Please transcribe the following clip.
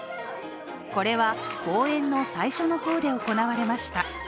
これは、公演の最初の方で行われました。